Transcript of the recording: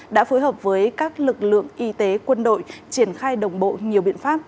đã phối hợp với các lực lượng y tế quân đội triển khai đồng bộ nhiều biện pháp